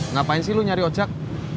ngapain sih lu nyari ojak